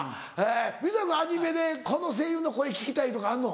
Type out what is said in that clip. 水谷君アニメでこの声優の声聞きたいとかあんの？